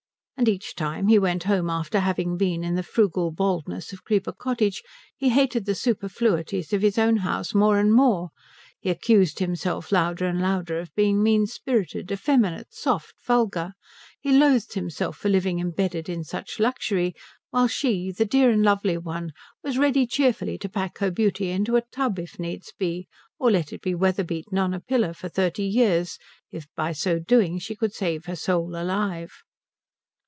And each time he went home after having been in the frugal baldness of Creeper Cottage he hated the superfluities of his own house more and more, he accused himself louder and louder of being mean spirited, effeminate, soft, vulgar, he loathed himself for living embedded in such luxury while she, the dear and lovely one, was ready cheerfully to pack her beauty into a tub if needs be, or let it be weather beaten on a pillar for thirty years if by so doing she could save her soul alive.